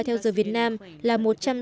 theo giờ việt nam là một trăm sáu mươi năm